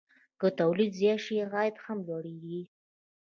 که تولید زیات شي، عاید هم لوړېږي.